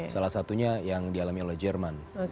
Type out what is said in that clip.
salah satunya yang dialami oleh jerman